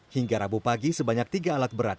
hingga rabu pagi sebanyak tiga alat berat